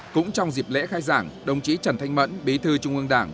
cũng trong dịp lễ khai giảng đồng chí trần thanh mẫn bí thư trung ương đảng